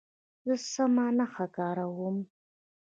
زه سمه نښه کاروم.